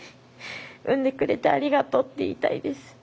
産んでくれてありがとうと言いたいです。